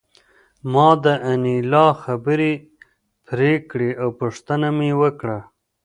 ما د انیلا خبرې پرې کړې او پوښتنه مې وکړه